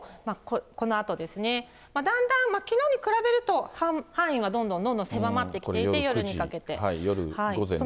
このあとですね、だんだんきのうに比べると、範囲はどんどんどんどん狭まってきて、夜、午前０時、金曜日。